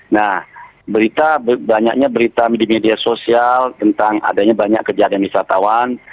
nah berita banyaknya berita di media sosial tentang adanya banyak kejadian wisatawan